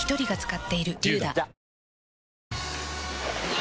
あ